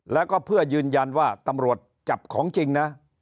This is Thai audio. แล้วก็เพื่อยืนยันว่าตำรวจจับของจริงนะ